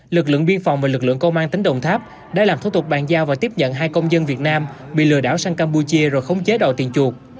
lực lượng biên phòng và lực lượng công an tỉnh đồng tháp đã làm thủ tục bàn giao và tiếp nhận hai công dân việt nam bị lừa đảo sang campuchia rồi khống chế đòi tiền chuột